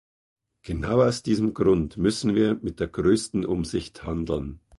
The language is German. Genau aus diesem Grund müssen wir mit der größten Umsicht handeln.